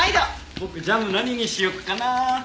僕ジャム何にしよっかなあ。